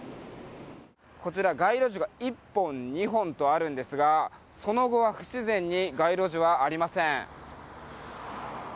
こちら、街路樹が１本、２本とあるんですがその後は不自然に街路樹はありません。